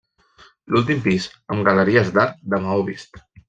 L'últim pis amb galeries d'arcs de maó vist.